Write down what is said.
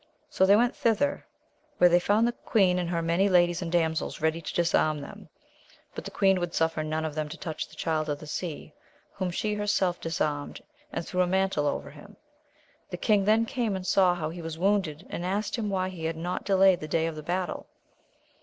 So tbey went thither, wket^ XJivfij^ iwoA "Oaa 56 . AMADIS OF GAULr queeii, and with her many ladies and damsels ready to disarm them, but the queen would suffer none of them to touch the Child of the Sea, whom she herself disarmed, and threw a mantle over him. The king then came and saw how he was wounded, and asked him why he had not delayed the day of battle.